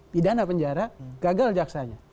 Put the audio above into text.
pidana penjara gagal jaksanya